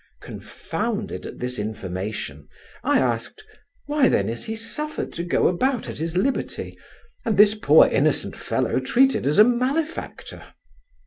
Confounded at this information, I asked, 'Why then is he suffered to go about at his liberty, and this poor innocent fellow treated as a malefactor?